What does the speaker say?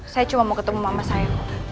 saya cuma mau ketemu mama saya kok